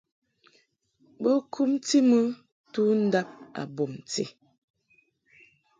Bo kumti mɨ tundab a bumti.